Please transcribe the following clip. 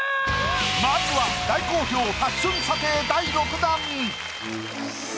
まずは大好評ファッション査定第６弾。